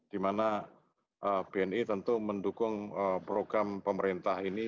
dimana bni tentu mendukung program pemerintah ini